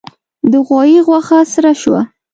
د غوايي غوښه سره شوه.